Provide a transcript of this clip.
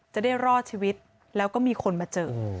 จะได้รอดชีวิตแล้วก็มีคนมาเจอ